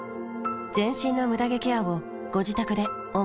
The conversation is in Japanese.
全身のムダ毛ケアをご自宅で思う存分。